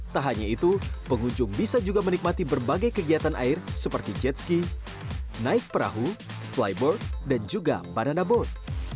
tak hanya itu pengunjung bisa juga menikmati berbagai kegiatan air seperti jet ski naik perahu flyboard dan juga banana board